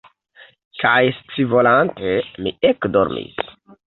Kaj scivolante, mi ekdormis.